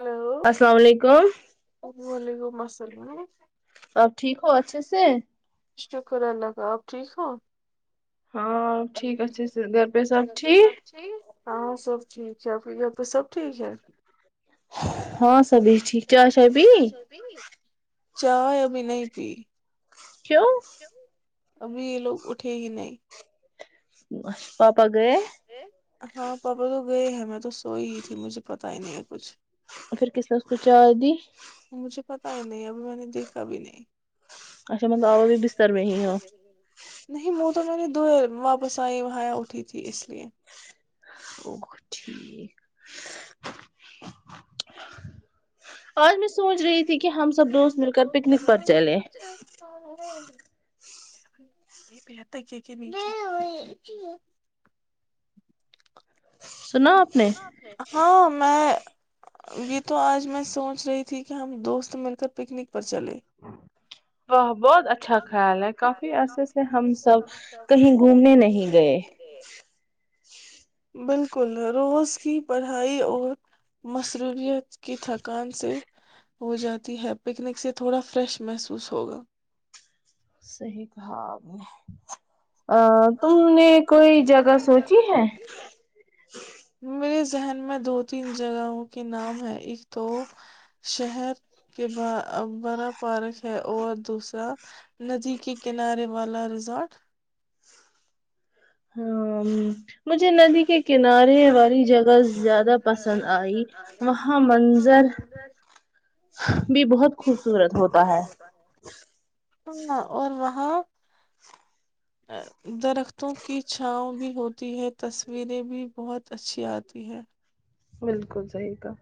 hello وعلیکم السلام [unintelligible] سو [unintelligible] آب ٹھیک ہو اچھے سے شکر اللہ کا آپ ٹھیک ہو ہاں ٹھیک اچ س گھر پہ سب ٹھیک [unintelligible] ہاں سب ٹھیک ہےپ آپ سب ٹھیک ہے ہاں [unintelligible] چائے اب نہیں [unintelligible] کی [unintelligible] کیوں ابھی یہ لوگ اٹھے ہی نہیں پاپا گئے ہاں پاپا تو گئے ہیں میں تو تو سوئ ہی تھی مجھے پتا ہی نہیں کچھ پھر کس نے اس کو چاے دی کبھی نہیں اچھا مطلب آب ابھی بستر میں ہی ہو تو میں نے دویا واپس نئایا ہیااٹھی تھی اس لی [unintelligible] او ٹھیک آج میں سونچ رہی تھی کہ ہم سب دوست مل کر پکنک پر چلے [unintelligible] ہاں میں یہ تو آج میں سونچ رہی تھی کہ ہم دوست مل کر پکنک پر چلے [unintelligible] بہت اچھا خیال ہے کافی عرصے سے ہم سب کہیں گھومنے نہیں گئے بالکل روز کی پڑھائی اور مصروبت کی تھکان سے ہو جاتی ہے پکنک سے تھوڑا فریش محسوس ہوگا صحیح کہا آپ نے ا تم نے کوئی جگہ سونچی ہے زہن میں دو تین جگہوں کے نام ہے ایک تو شہر کے ب بڑا پارک ہے اور دوسرا ندی کے کنارے والا ریزارٹ ہاں مجھے ندی کے ہاں اور وہاں ہاں درختوں کی چھاؤ بھی ہوتی ہے تصویریں بھی بہت اچھی آتی ہے بالکل صحیح کہا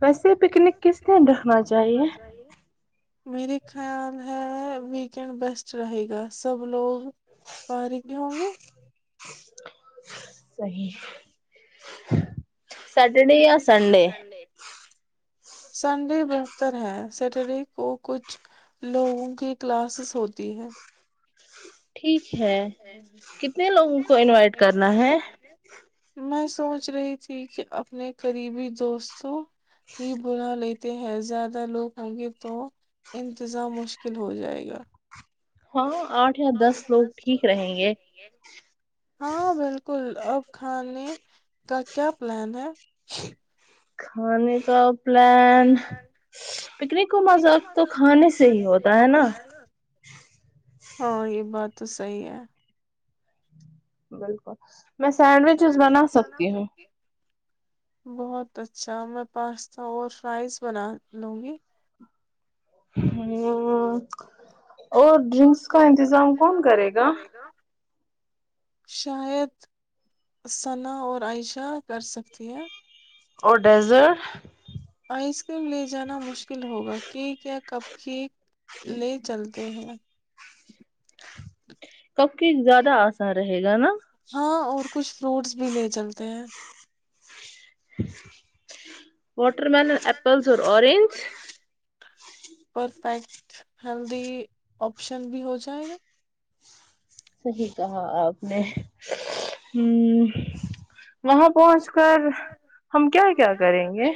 ویسے پکنک کس دن رکھنا چاہیے میرے خیال ہے ویکینڈ بیسٹ رہے گا سب لوگ فارگ بھی ہوں گے صحیح سٹرڈے یا سنڈے سنڈے بہتر ہیں سٹرڈے کو کچھ لوگوں کی کلاسز ہوتی ہیں [unintelligible] میں سوچ رہی تھی کہ اپنے قریبی دوستوں ہی بلا لیتے ہیں زیادہ لوگ ہوں گے تو انتظام مشکل ہو جائے گا ہاں ہاں بالکل اب کھانے کا کیا پلان ہے کھانے کا پلان پکنک کا مذاق تو کھانے سے ہی ہوتا ہے نا ہاں یہ بات تو صحی ہے بالکل میں سینڈوچ اس بنا سکتی ہوں بہت اچھا میں پاستا اور فائز بنا لوں گی ہ [inaudible] اور ڈرنکس کا انتظام کون کرے گا شاید ثناء اور عائشہ کر سکتی ہے اور ڈیزرٹ آئس کریم لے جانا مشکل ہوگا کیک یا کب کیک لے چلتے ہیں اچ [inaudible] تق کہ زیاد آسان رہے گا نا ہاں اور کچھ فروٹس بھی نہیں چلتے ہیں [inaudible] واٹر ملن آپل اور آریج پرفیکٹ ہیلدی آپشن بھی ہو جائے گا صحی کہا آپ نے ہ وہاں پہنچ کر ہم کیا کیا کریں گے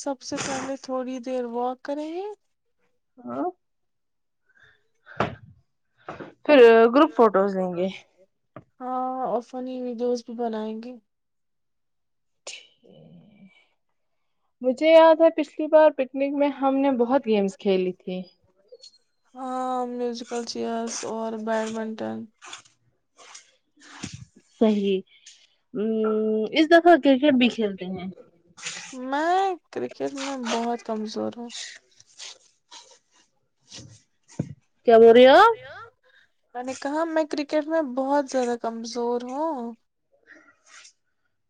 سب سے پہلے تھوڑی پھر واک کریں گ پھر گروپ فوٹوز لیں گے ہاں اور فنی ویڈیوز بھی بنائیں گے مجھے یاد ہے پچھلی بار ہاں میوزیکل چیئرس اور بیڈمنٹن صحی ہم اس دخ [inaudible] میں کرکٹ میں بہت کمزور ہووں [inaudible] کیا بول رہے ہو میں نے کہا میں کرک کرکٹ میں بہت زیادہ کمزور ہوں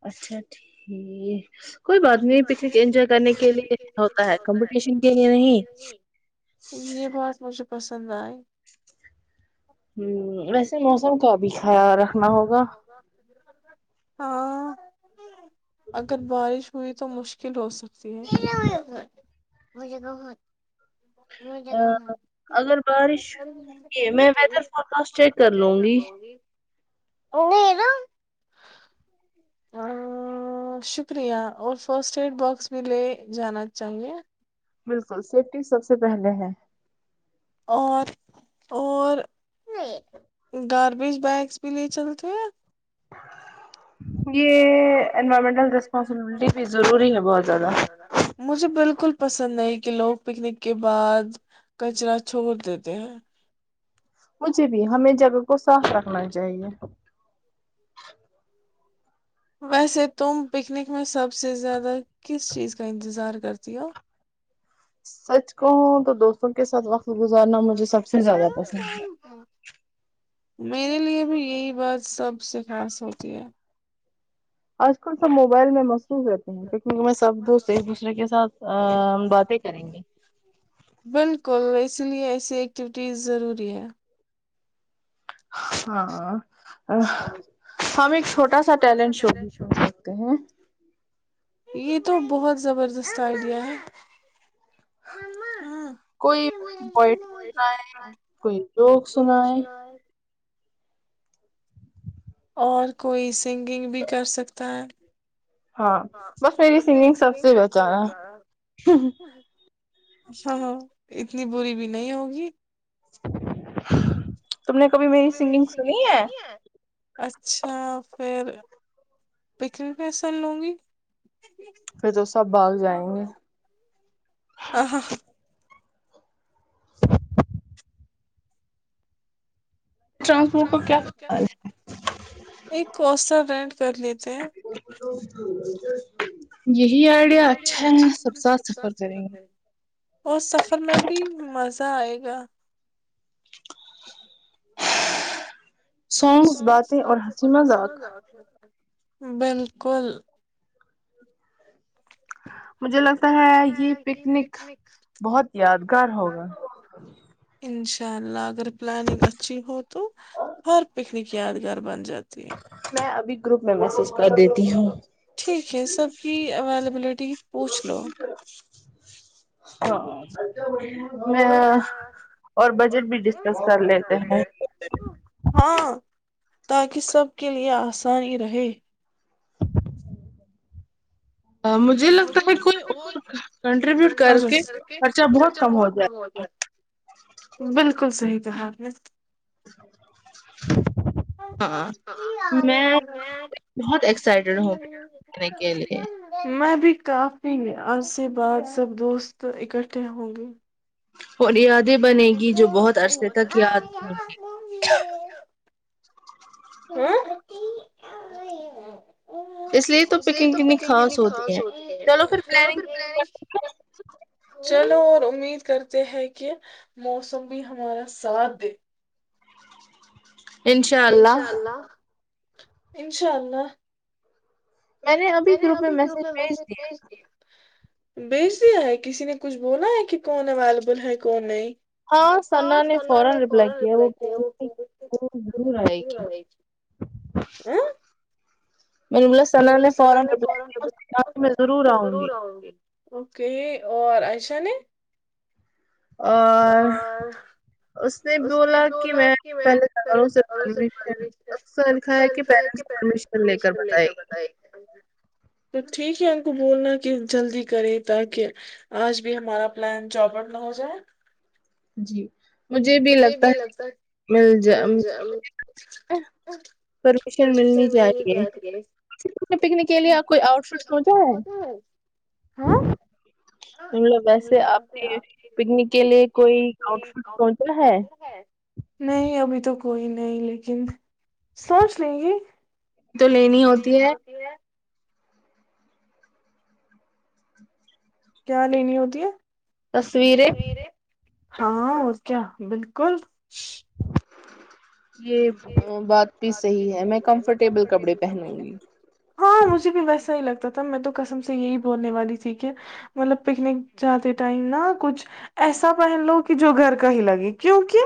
اچھا ٹھیک نہیںے یہ بہت مل [unintelligible] پسند آئی [unintelligible] ہوں ویسے موسم کاب [unintelligible] اچھا رکھنا ہوگا [unintelligible] ہاں [unintelligible] اگر بارش ہوئی تو [unintelligible] تو مشکل ہو س [unintelligible] س [unintelligible] مجھے بہت [unintelligible] اگر بارش یہ میں ویدر فورکاسٹ چیک کر لوں گی [unintelligible] گا شکریہ اور فرسٹ ایڈ باکس بھی لے جانا چاہ گے [unintelligible] بالکل سیفٹی سب سے پہلے ہے اور اور گاربیج بیگس بھی لے چلتے ہیں آپ [unintelligible] یہ انوائرمنٹل ریسپانسبلٹی بھی ضروری ہے بہت زیادہ پسند نہیں کہ لوگ پکنک کے بعد کچرا چھوڑ دیتے ہیں [unintelligible] مجھے بھی ہمیں جگہ کو صاف رکھنا چاہیے ویسے تم پکنک میں سب سے زیادہ کس چیز کا انتظار کرتی ہو سچ کو [unintelligible] تو دوستوں کے ساتھ وقت گزارنا مجھے سب سے زیادہ پسند ہے میرے لیے بھی یہی بات سب سے خاص ہوتی ہے آج کل سمب [unintelligible] موبائل میں محسوس رہتے ہیں کی سب دوست ایک دوسرے کے ساتھ باتیں کریں گے [unintelligible] اس لیے ایسی ایکٹیویٹیز ضروری ہے [unintelligible] ہاں ا [unintelligible] ہم ایک چھوٹا سا ٹیلنٹ شو بھی کر سکتے ہیں یہ تو بہت زبردست آلیہ ہے کوئی بوڈ سائے کوئی جوک سنائے [unintelligible] اور کوئی سنگنگ بھی کر سکتا ہے ہاں بس میری سنگنگ سب سے بہچارا ہاں اتنی بری بھی نہیں ہوگی [inaudible] تم نے کبھی میری سنگنگ سنی ہے [unintelligible] اچھا پھر پکن میںسن لوں گی [unintelligible] پھر تو سب بھاگ جائیں گے ایک کوسا فڈ چرلیے [inaudible] تو اس سفر میں بھی آئے گا سونگس گات پ میںز آتے ا بالکل مجھے لگتا ہے یہ پکنک بہت یادگار ہوگا شء اللہ اگر پلاننگ اچھی ہو تو ہر پکنک یادگار میں ابھی گروپ میں میسج کر دیتی ہوں ٹھیک ہے سب کی اویلیبلیٹی پوچھ لو ہاں ہاں میں اور بجٹ بھی ڈسکس کر لیتے ہیں تاکہ سب کے لیے آسانی رہے مجھے لگتا ہے خرچہ بہت کم ہو گیا بالکل صحیح ج حافظ [unintelligible] آ میں بھی کافی آج سے بعد سب دوست اکٹھے ہوں گے [unintelligible] ہاں ت تو پکنی خاص ہوی چو چلو امید کرتے ہیں کہ موسم بھی ہمارا ساتھ دے انشاء اللہ انشاء اللہ میں نے ابھی گروپ میں میسج بھیج دیا بیج دیا ہے کسی نے کچھ بولا ہے کہ کون اویلیبل ہے کون نہیں ہاں سنا نے فن رپ کیا میں نے فورا اپ کو میں ضرور اؤں گی اوکے اور عائشہ نے اور اس [unintelligible] اس نے بولا کہ میں پہلےوں سےشب ایسا ہے کہ پن پرمیشن لے کر بتیا گیا تو ٹھیک ہے انکو بولنا کہ جلدی کرے تاکہ آج بھی ہمارا پلان جابٹ نہ ہو جائے جی [unintelligible] مجھے بھی لگتا ہے مل ج پرمیشن ملنی چاہیے پنک کے لیے آپ کوئی آؤٹ فٹ سوا ہے مب ویسے آپ کے پکنک کے لیے [unintelligible] کوئی آؤٹ ف پہنچ [unintelligible] نہیں ابھی [unintelligible] تو کوئی نہیں لیکن سوچ لیں گے [unintelligible] تو لینی ہوتی ہے [unintelligible] کیا لینی ہوتی ہے تصویریں [unintelligible] ہاں اور کیا بالکل یہ بات بھی صحیح ہے میں کمفرٹیبل کپڑے پہنوں گی تھا میں تو کسم سے یہی بولنے والی تھی کہ مطلب پکنک جاتے ٹائم نا کچھ ایسا پہن لو کہ جو گھر کا ہی لگے کیک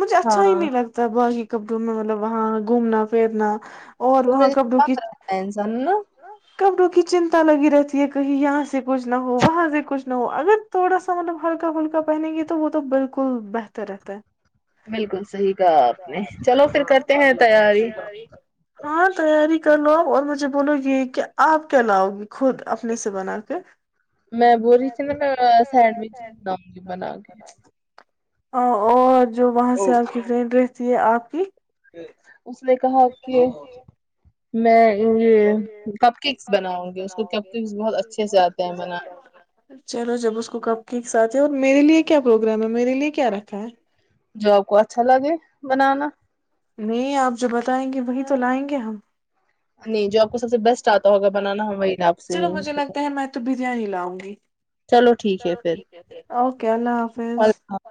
مجھے اچھا ہی نہیں لگتا باغی [unintelligible] کبرو میں مطلب وہاں گھومنا پھرنا [unintelligible] اس میںتا ہے انسان نا [unintelligible] کپڑوں کی چنتا لگی رہتی ہے کہیں یہاں سے کچھ نہ ہو وہاں سے کچھ نہ ہو اگر تھوڑا سا مطلب ہلکا ہھلکا پہنیں گی تو وہ تو بالکل بہتر رہتا ہے [unintelligible] بالکل صحیح کہا آپ نے چلو پھر کرتے ہیں تیاری [unintelligible] اور مجھے [unintelligible] بولو یہ کہ آپ کیا لاؤ گی خود اپنے سے بنا کے [unintelligible] میں بو رہی ت نا سینڈوچ بناؤں گی بنا کے ہاں اور [unintelligible] جو وہاں سے آپ کی فرینڈ رہ [unintelligible] آپ کی [unintelligible] ٹیک [unintelligible] ؤ گ تو اچھےلو جب [unintelligible] اور میرے لیے کیا پروگرام ہے میرے لیے کیا رکھا ہے [unintelligible] جو آپ کو اچھا لگے بنانا نہیں آپ جو بتائیں گے وہی تو لائیں گے ہم چلو مجھے لگتا ہے میں تو بریانی لاؤں گی چلو ٹھیک ہے اوکے اللہ حافظ [unintelligible]